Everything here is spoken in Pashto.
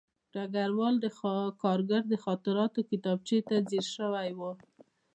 ډګروال د کارګر د خاطراتو کتابچې ته ځیر شوی و